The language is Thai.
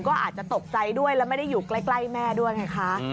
ก็อาจจะตกใจด้วยแล้วไม่ได้อยู่ใกล้แม่ด้วยไงคะ